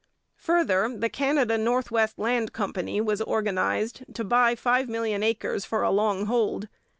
Further, the Canada North West Land Company was organized to buy five million acres for a long hold.